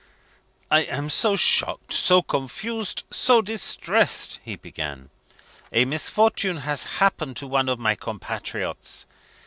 "I am so shocked, so confused, so distressed," he began. "A misfortune has happened to one of my compatriots.